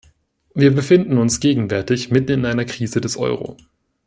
Wir befinden uns gegenwärtig mitten in einer Krise des Euro.